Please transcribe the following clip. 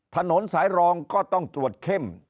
ถนนสายรองก็ต้องตรวจเข้ม